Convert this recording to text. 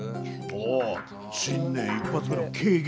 おお、新年一発目の景気